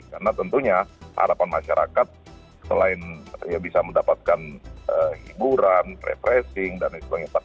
karena tentunya harapan masyarakat selain bisa mendapatkan hiburan refreshing dan lain sebagainya